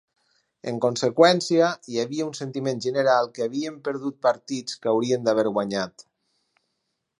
En conseqüència, hi havia un sentiment general que havien perdut partits que haurien d'haver guanyat.